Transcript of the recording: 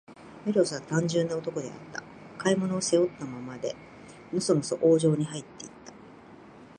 メロスは、単純な男であった。買い物を、背負ったままで、のそのそ王城にはいって行った。